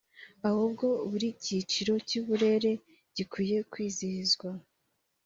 ahubwo buri cyiciro cy’uburere gikwiye kwizihizwa